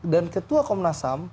dan ketua komnas ham